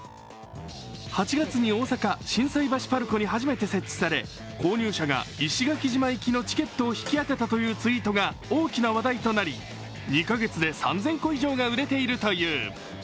８月に大阪・心斎橋ＰＡＲＣＯに初めて設置され購入者が石垣島行きのチケットを引き当てたというツイートが大きな話題となり、２カ月で３０００個以上が売れているという。